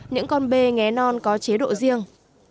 những con bê nghé non có chế độ riêng